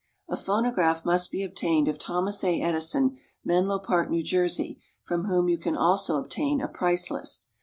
A phonograph must be obtained of Thomas A. Edison, Menlo Park, New Jersey, from whom you can also obtain a price list.